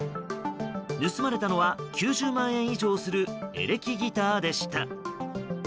盗まれたのは９０万円以上するエレキギターでした。